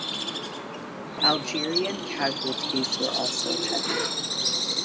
Algerian casualties were also heavy.